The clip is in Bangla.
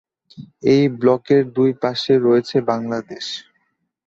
এই ব্লকের দুই পাশে রয়েছে বাংলাদেশ।